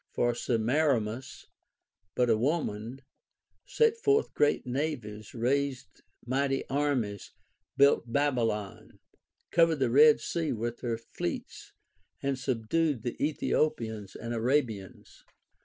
For Semiramis, but a Avoman, set forth great navies, raised mighty armies, built Babylon, covered the E,ed Sea with her fleets and subdued the Ethiopians and Arabians.